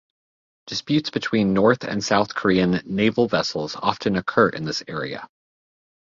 Disputes between North and South Korean naval vessels often occur in this area.